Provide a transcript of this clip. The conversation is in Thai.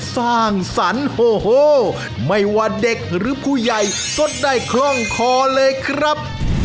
สร้างสรรค์โอ้โหไม่ว่าเด็กหรือผู้ใหญ่ก็ได้คล่องคอเลยครับ